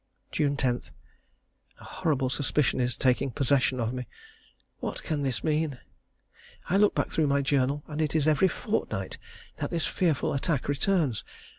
June 10. A horrible suspicion is taking possession of me. What can this mean? I look back through my journal, and it is every fortnight that this fearful attack returns.